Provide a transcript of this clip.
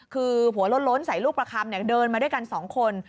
คือผัวล้นใส่ลูกประคำเดินมาด้วยกัน๒คน